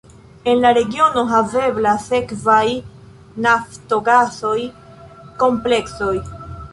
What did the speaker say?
En la regiono haveblas sekvaj naftogasaj kompleksoj.